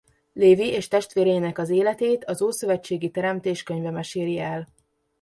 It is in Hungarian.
Lévi és testvéreinek az életét az ószövetségi Teremtés könyve meséli el.